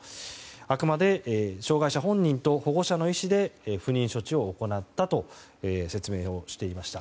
あくまで障害者本人と保護者の意思で不妊処置を行ったと説明をしていました。